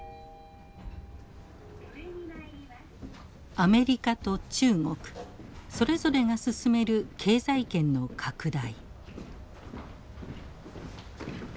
アメリカと中国それぞれが進める経済圏の拡大。